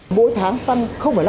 mỗi tháng tăng năm